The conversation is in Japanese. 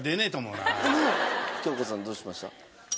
京子さんどうしました？